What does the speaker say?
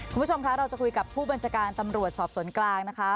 คุณผู้ชมคะเราก็จะคุยกับผู้บรรจการสอบสนกลางนะคะ